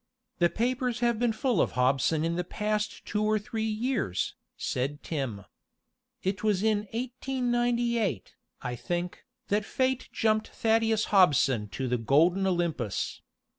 "The papers have been full of Hobson in the past two or three years," said Tim. "It was in 1898, I think, that Fate jumped Thaddeus Hobson to the golden Olympus.